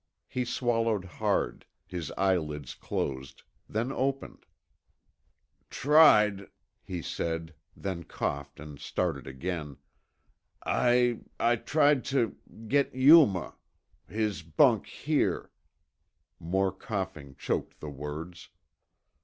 He swallowed hard; his eyelids closed, then opened. "Tried," he said, then coughed and started again. "I I tried tuh get Yuma His bunk here " More coughing choked the words.